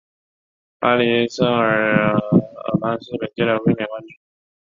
巴黎圣日耳曼是本届的卫冕冠军。